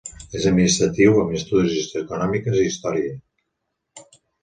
És administratiu, amb estudis d'Econòmiques i Història.